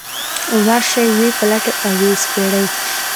ورشي ویې پلټي او ويې سپړي.